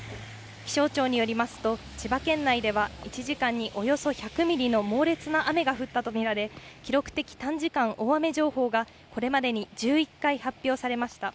気象庁によりますと、千葉県内では１時間におよそ１００ミリの猛烈な雨が降ったと見られ、記録的短時間大雨情報が、これまでに１１回発表されました。